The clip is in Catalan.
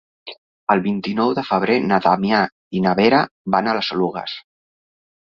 El vint-i-nou de febrer na Damià i na Vera van a les Oluges.